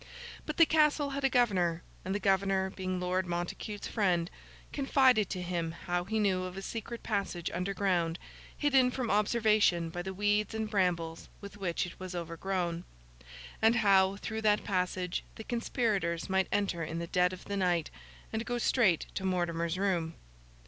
But the Castle had a governor, and the governor being Lord Montacute's friend, confided to him how he knew of a secret passage underground, hidden from observation by the weeds and brambles with which it was overgrown; and how, through that passage, the conspirators might enter in the dead of the night, and go straight to Mortimer's room.